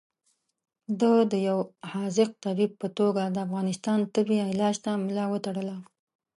ده د یو حاذق طبیب په توګه د افغانستان تبې علاج ته ملا وتړله.